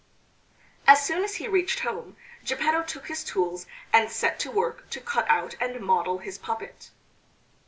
As soon as he reached home Geppetto took his tools and set to work to cut out and model his puppet.